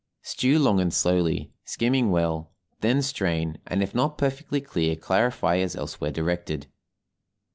Stew long and slowly, skimming well; then strain, and if not perfectly clear clarify as elsewhere directed.